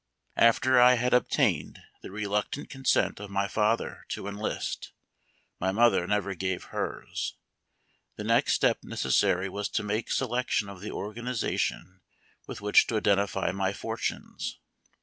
After I had obtained the reluctant consent of my father to enlist, — my mother never gave hers, — the next step nec essar}' was to make selection of the organization with which to identify my fortunes.